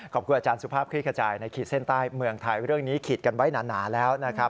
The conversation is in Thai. ขอบคุณอาจารย์สุภาพคลี่ขจายในขีดเส้นใต้เมืองไทยเรื่องนี้ขีดกันไว้หนาแล้วนะครับ